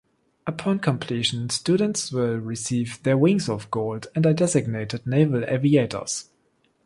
Upon completion, students will receive their wings of gold and are designated naval aviators.